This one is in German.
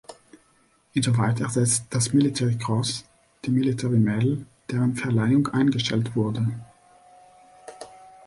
Insoweit ersetzt das "Military Cross" die "Military Medal", deren Verleihung eingestellt wurde.